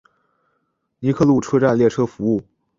尼克路车站列车服务。